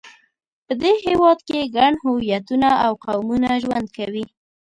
په دې هېواد کې ګڼ هویتونه او قومونه ژوند کوي.